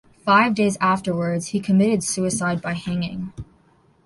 Five days afterwards he committed suicide by hanging.